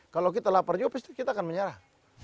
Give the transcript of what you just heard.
kalau kita lapar juga pasti kita akan menyerah